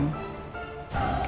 nggak seperti itu